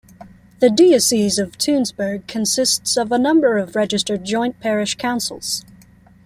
The Diocese of Tunsberg consists of a number of registered Joint Parish Councils.